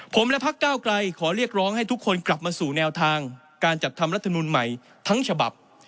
ผมและพักเก้าไกลขอเรียกร้องให้ทุกคนกลับมาสู่แนวทางการจัดทำรัฐมนุนใหม่ทั้งฉบับ